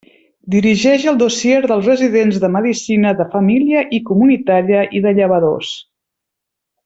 Dirigeix el dossier dels residents de medicina de família i comunitària i de llevadors.